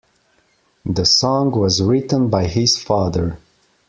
The song was written by his father.